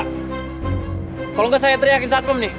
kalau enggak saya teriakin saat pem nih